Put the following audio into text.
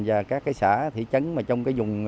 và các cái xã thị trấn mà trong cái vùng